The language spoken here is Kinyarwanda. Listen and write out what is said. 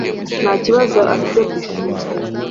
nta kibazo afite ku ishuri.